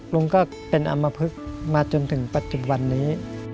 ลุงก็เป็นอำมพลึกมาจนถึงปัจจุบันนี้